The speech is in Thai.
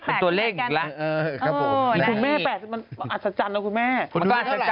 เป็นตัวเลขอีกแล้ว